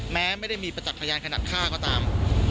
แม้ไม่ได้มีประจักษ์พยานขนาดฆ่าก็ตาม